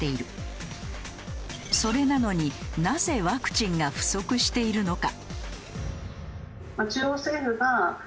それなのになぜワクチンが不足しているのか？